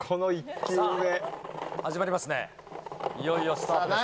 いよいよスタートですね。